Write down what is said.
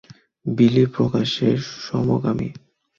বিলি প্রকাশ্যে সমকামী।